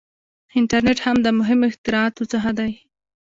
• انټرنېټ هم د مهمو اختراعاتو څخه دی.